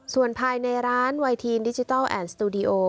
ส่วนภายในร้านไวทีนดิจิทัลแอนดสตูดิโอ